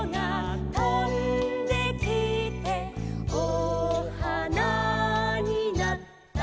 「おはなになった」